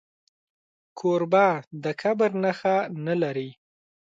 کوربه د کبر نښه نه لري.